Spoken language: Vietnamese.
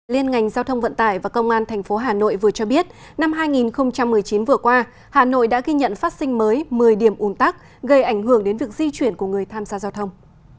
liên ngành giao thông vận tải và công an tp hà nội vừa cho biết năm hai nghìn một mươi chín vừa qua hà nội đã ghi nhận phát sinh mới một mươi điểm ủn tắc gây ảnh hưởng đến việc di chuyển của người tham gia giao thông